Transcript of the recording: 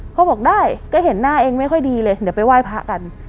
เขาบอกได้ก็เห็นหน้าเองไม่ค่อยดีเลยเดี๋ยวไปไหว้พระกัน